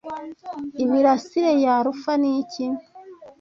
Imirasire ya Alpha niki